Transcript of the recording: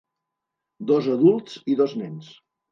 Dos adults i dos nens.